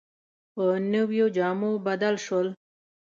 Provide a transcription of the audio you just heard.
په نویو جامو بدل شول.